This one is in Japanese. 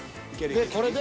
でこれで。